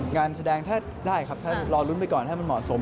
งานแสดงถ้าได้ครับถ้ารอลุ้นไปก่อนให้มันเหมาะสม